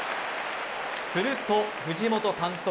すると藤本監督